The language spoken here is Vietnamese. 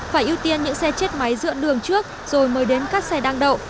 phải ưu tiên những xe chết máy dựa đường trước rồi mời đến các xe đăng đậu